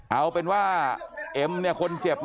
เอาเป็นว่าเอมเนี่ยคนเจ็บ